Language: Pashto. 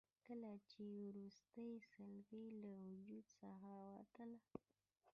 کله یې چې وروستۍ سلګۍ له وجود څخه وتله.